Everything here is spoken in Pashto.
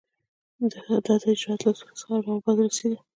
دا د اجرااتو له صورت څخه یو ډول بازرسي ده.